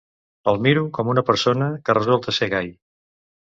El miro com una persona, que resulta ser gai.